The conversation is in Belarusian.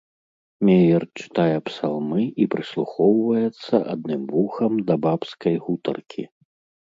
Меер чытае псалмы і прыслухоўваецца адным вухам да бабскай гутаркі.